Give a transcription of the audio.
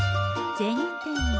銭天堂。